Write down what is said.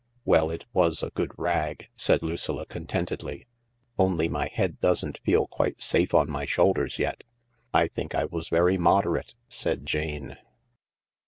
Well, it was a good rag," said Lucilla contentedly ;" only my head doesn't feel quite safe on my shoulders yet." " I think I was very moderate," said Jane.